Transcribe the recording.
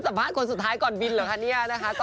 สัมภาษณ์คนสุดท้ายก่อนบินเหรอคะเนี่ยนะคะ